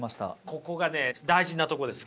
ここがね大事なとこです。